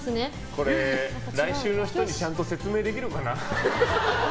これ、来週の人にちゃんと説明できるかな。